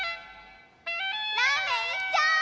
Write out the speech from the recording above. ラーメンいっちょう！